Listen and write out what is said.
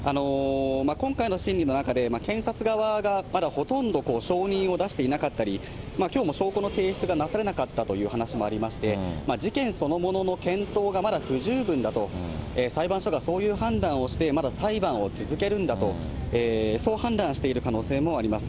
今回の審理の中で、検察側がまだほとんど証人を出していなかったり、きょうも証拠の提出がなされなかったという話もありまして、事件そのものの検討がまだ不十分だと、裁判所がそういう判断をして、まだ裁判を続けるんだと、そう判断している可能性もあります。